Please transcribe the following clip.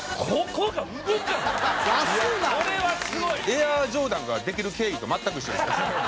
エアジョーダンができる経緯と全く一緒でした。